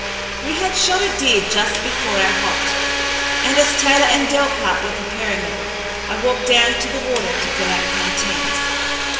We had shot a deer just before our halt, and, as Taylor and Delcarte were preparing it, I walked down to the water to fill our canteens.